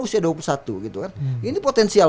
usia dua puluh satu gitu kan ini potensial